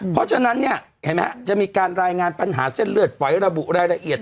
เพราะฉะนั้นเนี่ยเห็นไหมฮะจะมีการรายงานปัญหาเส้นเลือดฝอยระบุรายละเอียด